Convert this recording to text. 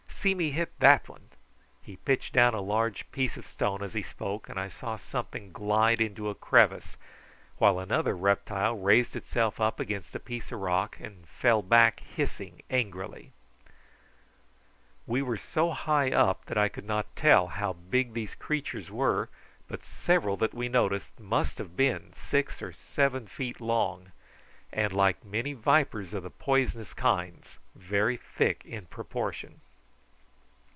See me hit that one." He pitched down a large piece of stone as he spoke, and I saw something glide into a crevice, while another reptile raised itself up against a piece of rock and fell back hissing angrily. We were so high up that I could not tell how big these creatures were, but several that we noticed must have been six or seven feet long, and like many vipers of the poisonous kinds, very thick in proportion.